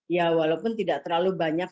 ya walaupun tidak terlalu banyak